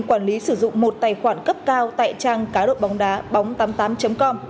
quản lý sử dụng một tài khoản cấp cao tại trang cá độ bóng đá bóng tám mươi tám com